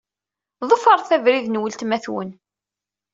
Ḍefṛet abrid n weltma-twen.